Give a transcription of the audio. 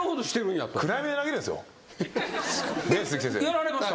やられました？